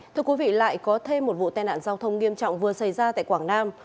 thưa quý vị lại có thêm một vụ tai nạn giao thông nghiêm trọng vừa xảy ra tại quảng nam